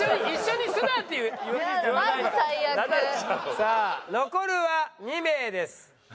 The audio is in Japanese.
さあ残るは２名です。